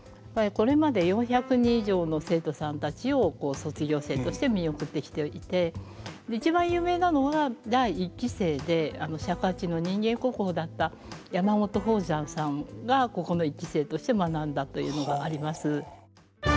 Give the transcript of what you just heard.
これまで４００人以上の生徒さんたちを卒業生として見送ってきていて一番有名なのは第１期生で尺八の人間国宝だった山本邦山さんがここの１期生として学んだというのがあります。